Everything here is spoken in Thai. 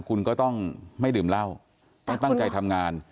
คุณก็ต้องไม่ดื่มเหล้าต้องตั้งใจทำงาน